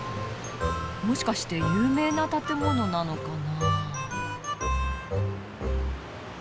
もしかして有名な建物なのかな？